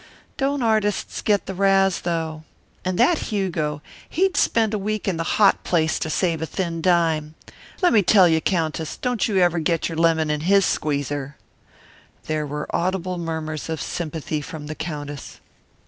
Don't artists get the razz, though. And that Hugo, he'd spend a week in the hot place to save a thin dime. Let me tell you, Countess, don't you ever get your lemon in his squeezer." There were audible murmurs of sympathy from the Countess.